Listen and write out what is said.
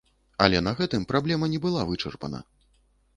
Але на гэтым праблема не была вычарпана.